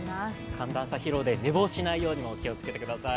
寒暖差疲労で寝坊しないように気をつけてください。